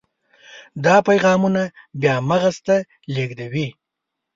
دا پیغامونه بیا مغز ته لیږدوي.